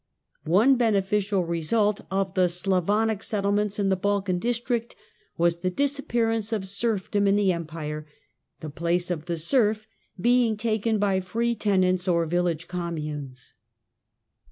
One beneficial result of the Slavonic settlements in the Balkan district was the disappearance of serfdom in the Empire, the place of the serf being taken by free tenants or village communes.